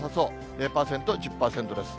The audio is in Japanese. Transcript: ０％、１０％です。